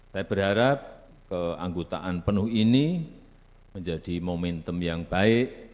saya berharap keanggotaan penuh ini menjadi momentum yang baik